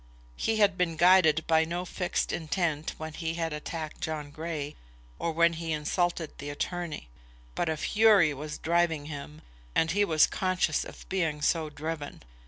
He had been guided by no fixed intent when he had attacked John Grey, or when he insulted the attorney; but a Fury was driving him, and he was conscious of being so driven.